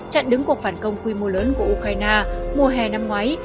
chặn đứng cuộc phản công quy mô lớn của ukraine mùa hè năm ngoái